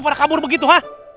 pernah kabur begitu ha